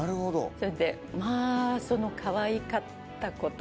それでまあそのかわいかった事といったら。